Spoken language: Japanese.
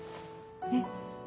えっ